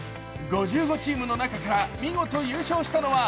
５５チームの中から見事、優勝したのは